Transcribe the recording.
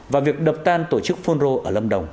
và việc đập tan tổ chức phun rô ở lâm đồng